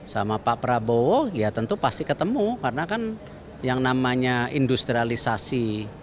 sama pak prabowo ya tentu pasti ketemu karena kan yang namanya industrialisasi